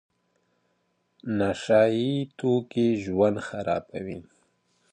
نشه يي توکي ژوند خرابوي.